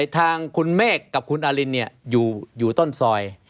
ทางคุณเมฆกับคุณอารินอยู่ต้นซอย